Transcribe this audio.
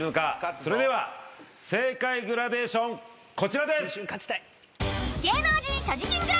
それでは正解グラデーションこちらです！